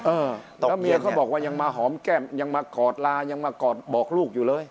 เออแล้วเมียเขาบอกว่ายังมาหอมแก้มยังมากอดลายังมากอดบอกลูกอยู่เลย